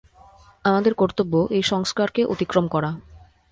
আমাদের কর্তব্য, এই সংস্কারকে অতিক্রম করা।